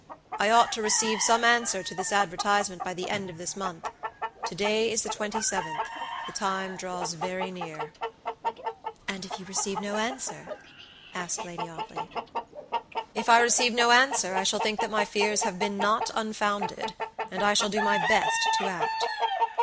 I ought to receive some answer to this advertisement by the end of this month. To day is the 27th; the time draws very near." "And if you receive no answer?" asked Lady Audley. "If I receive no answer I shall think that my fears have been not unfounded, and I shall do my best to act."